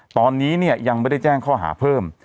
ตอนนี้ยังไม่ได้แจ้งข้อหาเพิ่ม